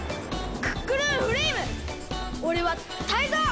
クックルンフレイムおれはタイゾウ！